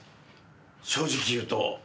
正直言うと。